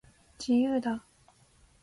自由だ